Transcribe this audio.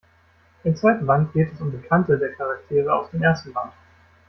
Im zweiten Band geht es um Bekannte der Charaktere aus dem ersten Band.